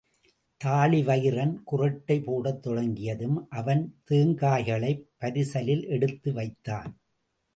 தாழிவயிறன் குறட்டை போடத் தொடங்கியதும் அவன் தேங்காய்களைப் பரிசலில் எடுத்து வைத்தான்.